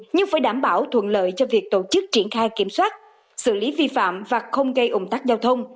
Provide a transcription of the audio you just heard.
nhưng phải đảm bảo thuận lợi cho việc tổ chức triển khai kiểm soát xử lý vi phạm và không gây ủng tắc giao thông